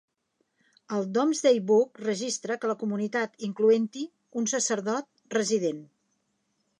El "Domesday Book" registra que la comunitat incloent-hi un sacerdot resident.